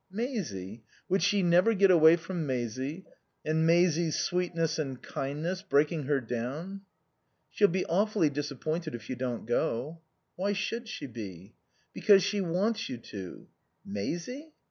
Maisie? Would she never get away from Maisie, and Maisie's sweetness and kindness, breaking her down? "She'll be awfully disappointed if you don't go." "Why should she be?" "Because she wants you to." "Maisie?"